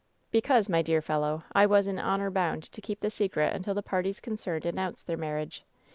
"Because, my dear fellow, I was in honor bound to keep the secret until the parties concerned announced their marriage.